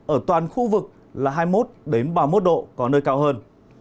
ở toàn khu vực là hai mươi một ba mươi một độ có nơi cao hơn